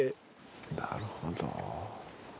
なるほど。